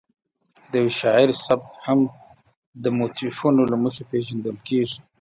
د یو شاعر سبک هم د موتیفونو له مخې پېژندل کېږي.